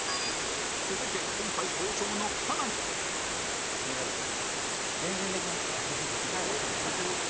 続いて今回好調の草薙あっ全然できる。